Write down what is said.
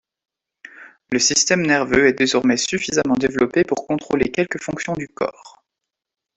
Le système nerveux est désormais suffisamment développé pour contrôler quelques fonctions du corps.